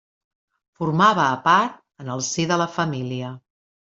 Formava a part en el si de la família.